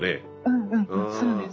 うんうんそうです